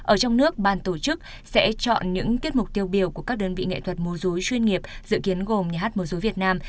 ở trong nước ban tổ chức sẽ chọn những kết mục tiêu biểu của các đơn vị nghệ thuật múa rối chuyên nghiệp dự kiến gồm nhà hát múa rối việt nam